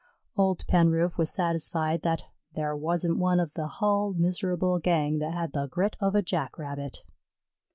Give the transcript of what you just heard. Old Penroof was satisfied that "thar wasn't one of the hull miserable gang that had the grit of a Jack rabbit."